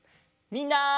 みんな。